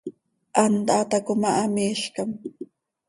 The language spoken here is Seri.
Hant haa taco ma, hamiizcam.